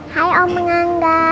hai om ngangga